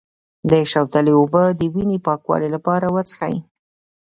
د شوتلې اوبه د وینې پاکولو لپاره وڅښئ